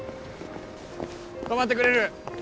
止まってくれる？